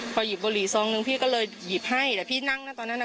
พอหยิบบุหรี่ซองนึงพี่ก็เลยหยิบให้แต่พี่นั่งนะตอนนั้นน่ะ